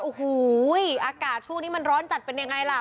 โอ้โหอากาศช่วงนี้มันร้อนจัดเป็นยังไงล่ะ